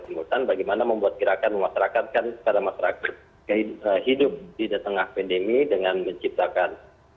di hukuman bagaimana membuat gerakan memastrakankan pada masyarakat hidup di tengah pandemi dengan menciptakan